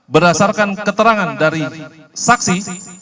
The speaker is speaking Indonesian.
berdasarkan keterangan dari saksi